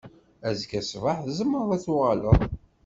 Azekka ṣṣbeḥ tzemreḍ ad d-tuɣaleḍ.